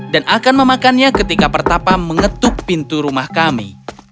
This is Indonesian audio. dan akan memakannya ketika pertapa mengetuk pintu rumah kami